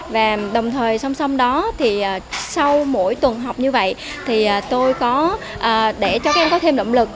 và đồng thời song song đó thì sau mỗi tuần học như vậy thì tôi có để cho các em có thêm động lực